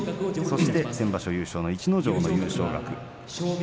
そして先場所優勝の逸ノ城の優勝額。